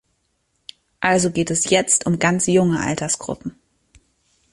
Also geht es um ganz junge Altersgruppen.